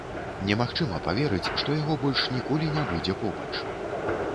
Немагчыма паверыць, што яго больш ніколі не будзе побач.